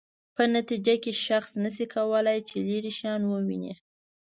په نتیجه کې شخص نشي کولای چې لیرې شیان وویني.